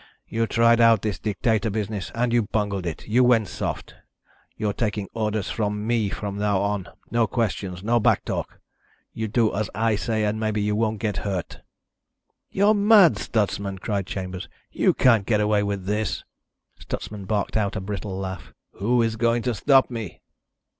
You tried out this dictator business and you bungled it. You went soft. You're taking orders from me from now on. No questions, no back talk. You do as I say and maybe you won't get hurt." "You're mad, Stutsman!" cried Chambers. "You can't get away with this." Stutsman barked out a brittle laugh. "Who is going to stop me?"